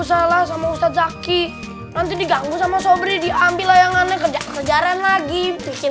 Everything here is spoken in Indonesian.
salah sama ustadz zaki nanti diganggu sama sobre diambil layangannya kerja kerjaan lagi bikin